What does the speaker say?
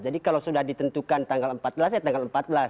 jadi kalau sudah ditentukan tanggal empat belas ya tanggal empat belas